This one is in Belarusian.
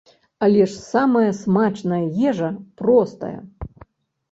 Але ж самая смачная ежа простая.